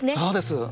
そうです。